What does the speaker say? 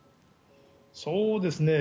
そうですね。